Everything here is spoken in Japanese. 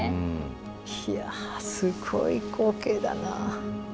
ひゃすごい光景だな。